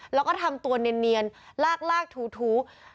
แล้วก็ทำตัวเนียนลากถู